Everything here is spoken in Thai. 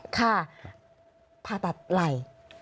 ค่ะผ่าตัดไร